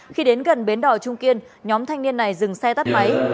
khi đến gần bến đỏ trung kiên nhóm thanh niên này dừng xe tắt máy